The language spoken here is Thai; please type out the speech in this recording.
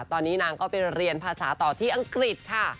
ตอนนี้นางก็ไปเรียนภาษาต่อที่อังกฤษค่ะ